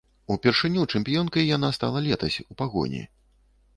Упершыню чэмпіёнкай яна стала летась у пагоні.